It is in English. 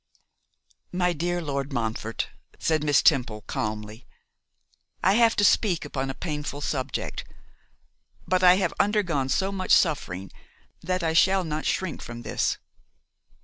'My dear Lord Montfort,' said Miss Temple,' calmly, 'I have to speak upon a painful subject, but I have undergone so much suffering, that I shall not shrink from this.